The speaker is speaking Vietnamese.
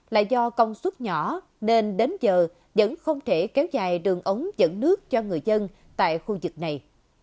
lại do công suất nhỏ nên đến giờ vẫn không thể kéo dài đường ống dẫn nước cho người dân tại khu vực này